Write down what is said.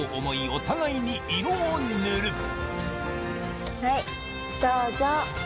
お互いに色を塗るはいどうぞ。